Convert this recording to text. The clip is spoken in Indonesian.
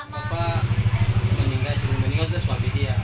bapak meninggal sebelum meninggal itu suami dia